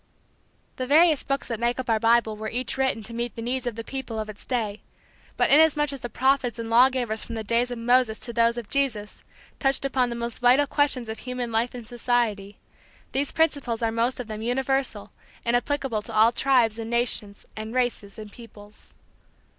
The various books that make up our Bible were each written to meet the needs of the people of its day; but inasmuch as the prophets and law givers from the days of Moses to those of Jesus touched upon the most vital questions of human life and society, these principles are most of them universal and applicable to all tribes and nations and races and peoples.